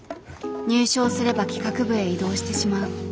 入賞すれば企画部へ異動してしまう。